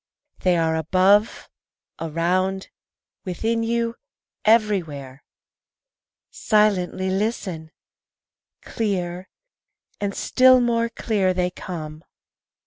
They are above, around, within you, everywhere. Silently listen! Clear, and still more clear, they come.